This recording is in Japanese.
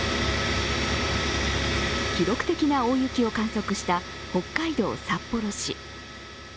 記録的な大雪を観測した北海道札幌市。